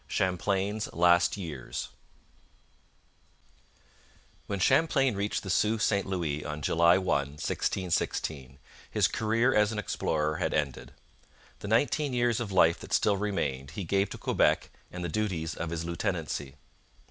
CHAMPLAIN'S LAST YEARS When Champlain reached the Sault St Louis on July 1, 1616, his career as an explorer had ended. The nineteen years of life that still remained he gave to Quebec and the duties of his lieutenancy.